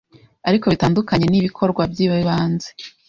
Ariko bitandukanye nibikorwa byibanze